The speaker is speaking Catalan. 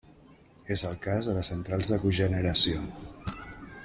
És el cas de les centrals de cogeneració.